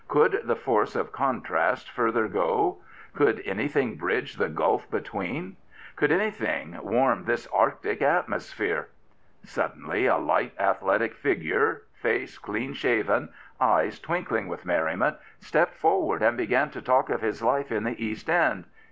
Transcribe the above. Could the force of contrast further go? Could an)d;hing bridge the gulf between ? Could anything warm this Arctic i66 The Bishop of London atmosphere? Suddenly a light, athletic figure, face clean shaven, eyes twinkling with merriment, stepped forward and began to talk of his life in the East End.